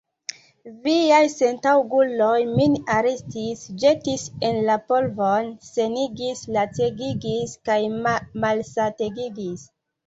Viaj sentaŭguloj min arestis, ĵetis en la polvon, senigis, lacegigis kaj malsategigis.